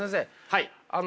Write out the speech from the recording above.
はい。